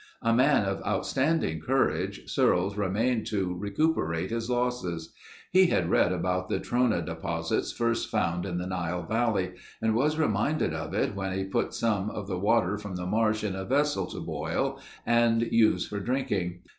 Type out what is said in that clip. A man of outstanding courage, Searles remained to recuperate his losses. He had read about the Trona deposits first found in the Nile Valley and was reminded of it when he put some of the water from the marsh in a vessel to boil and use for drinking.